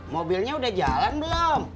mobilnya udah jalan belum